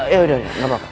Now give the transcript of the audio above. yaudah ya ngapapapa